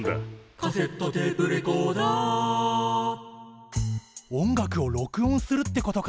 「カセットテープレコーダー」音楽を録音するってことか。